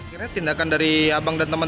kira kira tindakan dari abang dan teman